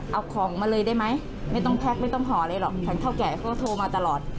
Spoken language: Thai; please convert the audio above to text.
เอาของมาเลยได้ไหมไม่ต้องแพ็คไม่ต้องห่ออะไรหรอกแข็งเท่าแก่เขาโทรมาตลอด